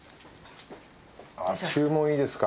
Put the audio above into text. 注文いいですか？